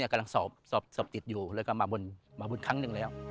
กำลังสอบติดอยู่แล้วก็มาบุญครั้งหนึ่งแล้ว